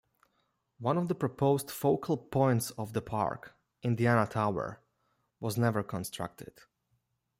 One of the proposed focal points of the park, Indiana Tower, was never constructed.